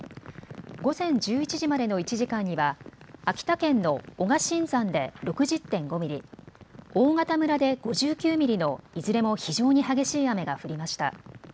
午前１１時までの１時間には秋田県の男鹿真山で６０．５ミリ、大潟村で５９ミリのいずれも非常に激しい雨が降りました。